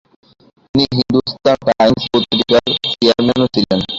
তিনি হিন্দুস্তান টাইমস পত্রিকার চেয়ারম্যানও ছিলেন।